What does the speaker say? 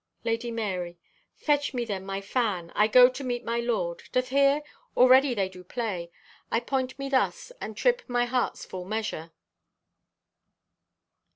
(Lady Marye) "Fetch me then my fan. I go to meet my Lord. Doth hear? Already they do play. I point me thus, and trip my heart's full measure."